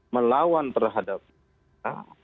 melawan terhadap kita